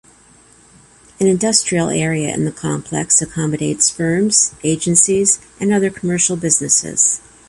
An industrial area in the complex accommodates firms, agencies and other commercial businesses.